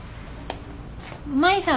舞さん。